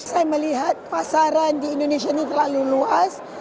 saya melihat pasaran di indonesia ini terlalu luas